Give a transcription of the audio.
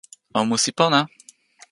o musi pona!